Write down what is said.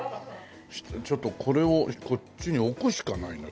ちょっとこれをこっちに置くしかないね。